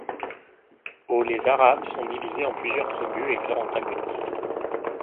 Au les Arabes sont divisés en plusieurs tribus et clans antagonistes.